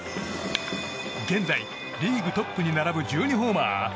現在リーグトップに並ぶ１２ホーマー。